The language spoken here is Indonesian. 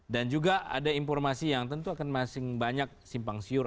dan juga ada informasi yang tentu akan masing masing banyak simpang siur